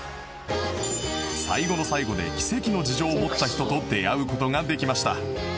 最後の最後で奇跡の事情を持った人と出会う事ができました